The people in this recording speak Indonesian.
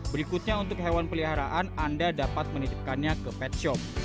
berikutnya untuk hewan peliharaan anda dapat menitipkannya ke pet shop